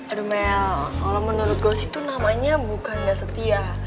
aduh mel kalau menurut gue sih tuh namanya bukan nggak setia